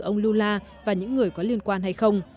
ông lula và những người có liên quan hay không